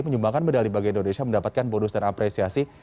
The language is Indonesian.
menyumbangkan medali bagi indonesia mendapatkan bonus dan apresiasi